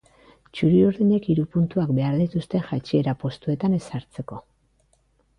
Txuri-urdinek hiru puntuak behar dituzte jaitsiera postuetan ez sartzeko.